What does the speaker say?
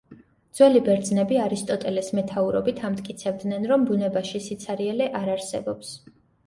ძველი ბერძნები არისტოტელეს მეთაურობით ამტკიცებდნენ, რომ ბუნებაში სიცარიელე არ არსებობს.